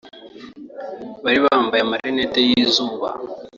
bari bambaye amarinete y’izuba